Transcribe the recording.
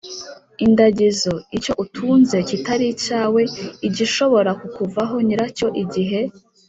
indagizo: icyo utunze kitari icyawe, igishobora kukuvaho nyiracyo igihe